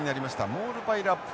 モールパイルアップ。